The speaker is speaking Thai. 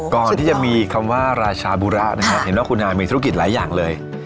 ก่อนที่จะมีคำว่าราชาบุระนะครับเห็นว่าคุณอามีธุรกิจหลายอย่างเลย